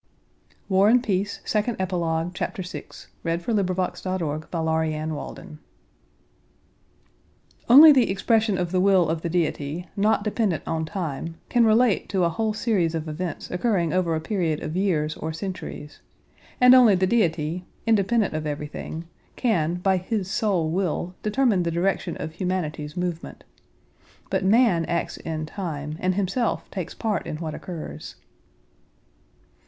nection between the person commanding and those who execute his command. CHAPTER VI Only the expression of the will of the Deity, not dependent on time, can relate to a whole series of events occurring over a period of years or centuries, and only the Deity, independent of everything, can by His sole will determine the direction of humanity's movement; but man acts in time and himself takes part in what occurs.